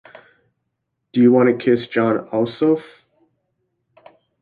Do you wanna kiss Jon Ossoff?